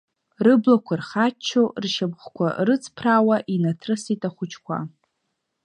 Рыблақәа рхаччо, ршьамхқәа рыҵԥраауа инаҭрысит ахәыҷқәа.